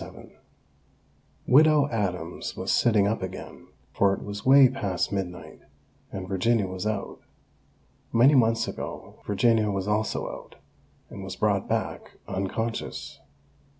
XXVII Widow Adams was sitting up again, for it was way past midnight, and Virginia was out. Many months ago Virginia was also out, and was brought back, unconscious.